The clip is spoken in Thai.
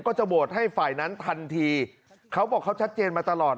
ก็จะโหวตให้ฝ่ายนั้นทันทีเขาบอกเขาชัดเจนมาตลอด